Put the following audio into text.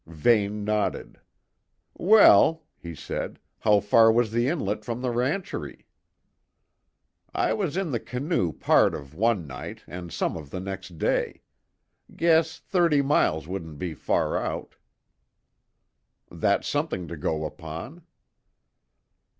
Vane nodded. "Well," he said, "how far was the inlet from the rancherie?" "I was in the canoe part of one night and some of the next day. Guess thirty miles wouldn't be far out." "That's something to go upon."